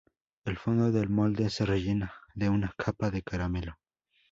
El fondo del molde se rellena de una capa de caramelo.